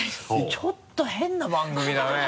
ちょっと変な番組だね。